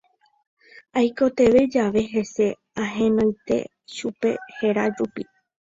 Aikotevẽ jave hese ahenóinte chupe héra rupi.